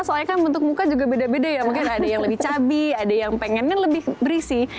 soalnya kan bentuk muka juga beda beda ya mungkin ada yang lebih cabi ada yang pengennya lebih berisi